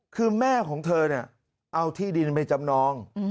คือแม่ของเธอเนี่ยเอาที่ดินไปจำนอง